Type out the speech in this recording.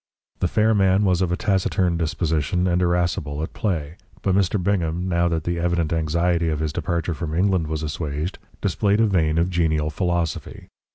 The fair man was of a taciturn disposition and irascible at play; but Mr. Bingham, now that the evident anxiety of his departure from England was assuaged, displayed a vein of genial philosophy.